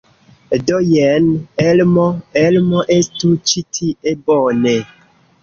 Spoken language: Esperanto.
Do, jen Elmo. Elmo, estu ĉi tie! Bone.